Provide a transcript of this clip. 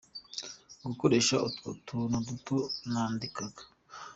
Gukoresha Utwo tuntu duto nandikaga.